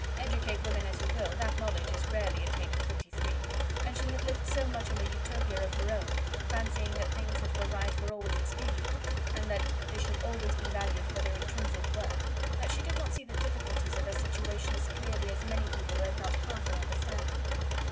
Educate women as you will, that knowledge is rarely attained at twenty three; and she had lived so much in a Utopia of her own, fancying that things that were right were always expedient, and that they should always be valued for their intrinsic worth, that she did not see the difficulties of her situation as clearly as many people who had not half her understanding.